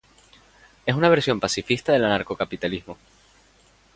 Es una versión pacifista del anarcocapitalismo.